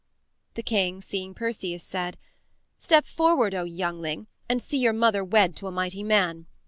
The king seeing Perseus, said: "Step forward, O youngling, and see your mother wed to a mighty man.